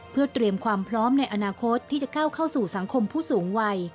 เพื่อเตรียมความพร้อมในอนาคตที่จะก้าวเข้าสู่สังคมผู้สูงวัย